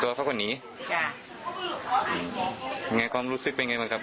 ตัวเพราะกว่านี้อย่างไรความรู้สึกเป็นยังไงบ้างครับ